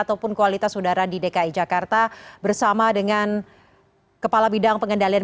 ataupun kualitas udara di dki jakarta bersama dengan kepala bidang pengendalian